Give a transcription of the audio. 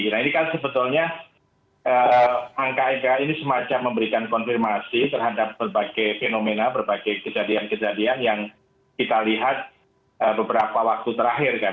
nah ini kan sebetulnya angka angka ini semacam memberikan konfirmasi terhadap berbagai fenomena berbagai kejadian kejadian yang kita lihat beberapa waktu terakhir kan